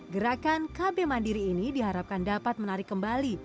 gerakan kb mandiri ini diharapkan dapat menarik kembali